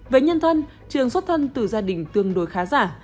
với nhân thân trường xuất thân từ gia đình tương đối khá giả